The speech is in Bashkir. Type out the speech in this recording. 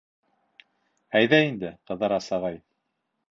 — Әйҙә инде, Ҡыҙырас ағай!..